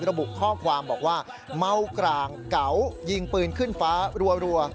ระบุข้อความบอกว่าเมากร่างเก๋ายิงปืนขึ้นฟ้ารัว